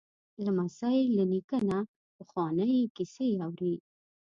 لمسی له نیکه نه پخوانۍ کیسې اوري.